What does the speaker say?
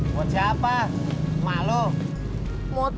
mau siapa malu mau tahu aja